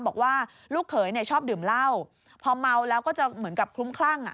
บอกว่าลูกเขยเนี่ยชอบดื่มเหล้าพอเมาแล้วก็จะเหมือนกับคลุ้มคลั่งอ่ะ